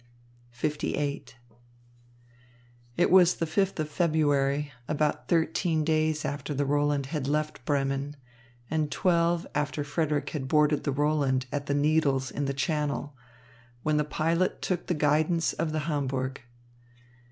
LVIII It was the fifth of February, about thirteen days after the Roland had left Bremen, and twelve after Frederick had boarded the Roland at the Needles in the Channel, when the pilot took the guidance of the Hamburg.